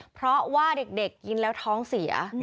เพราะว่าเด็กกินแล้วท้องเสีย